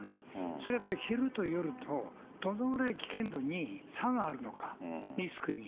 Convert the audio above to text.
それはやっぱり昼と夜と、どのぐらい危険度に差があるのか、リスクに。